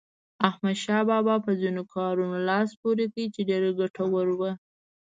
احمدشاه بابا په ځینو کارونو لاس پورې کړ چې ډېر ګټور وو.